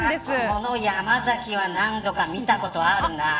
この山崎は何度か見たことがあるな。